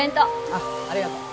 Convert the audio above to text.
あっありがとう。